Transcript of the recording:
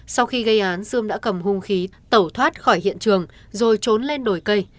sau khi gây án sươm đã cầm hung khí tẩu thoát khỏi hiện trường rồi trốn lên đồi cây